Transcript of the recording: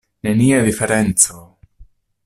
Nenia diferenco!